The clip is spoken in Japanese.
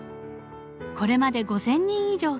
これまで５，０００人以上が参加。